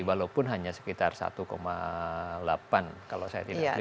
walaupun hanya sekitar satu delapan kalau saya tidak salah